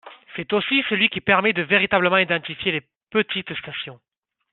C’est aussi celui qui permet de véritablement identifier les petites stations.